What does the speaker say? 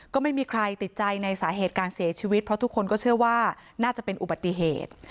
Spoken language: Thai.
ก็ไม่มีใครติดใจในสาเหตุการเสียชีวิตเพราะทุกคนก็เชื่อว่าน่าจะเป็นอุบัติเหตุ